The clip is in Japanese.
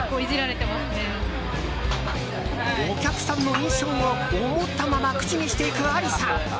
印象を思ったまま口にしていくアリさん。